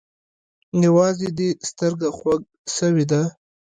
يوازې دې سترگه خوږ سوې ده.